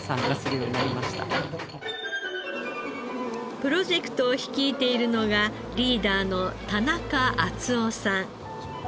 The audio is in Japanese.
プロジェクトを率いているのがリーダーの田中淳夫さん。